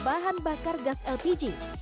bahan bakar gas lpg